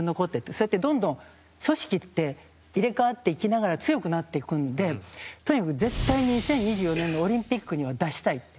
そうやってどんどん組織って入れ替わっていきながら強くなっていくんでとにかく絶対に２０２４年のオリンピックには出したい。